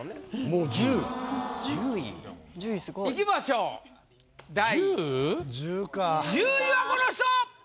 ・もう１０・いきましょう第１０位はこの人！